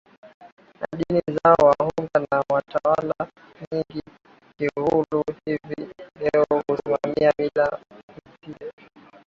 na Dini zao Wahunga wa tawala nyingi za Kiluguru hivi leo husimamia Mila zile